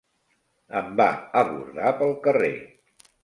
Em va abordar pel carrer.